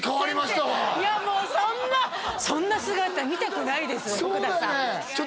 もうそんなそんな姿見たくないです奥田さん